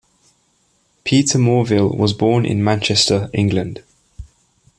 Peter Morville was born in Manchester, England.